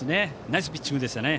ナイスピッチングでしたね。